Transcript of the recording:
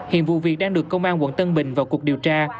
hiện vụ việc đang được công an quận tân bình vào cuộc điều tra